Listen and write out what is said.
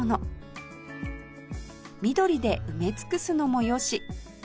緑で埋め尽くすのも良し